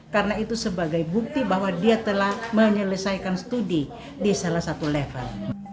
karena itu sebagai bukti bahwa dia telah menyelesaikan studi di salah satu level